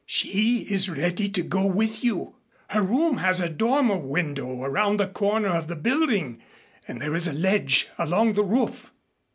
She is ready to go with you. Her room has a dormer window around the corner of the building, and there is a ledge along the roof.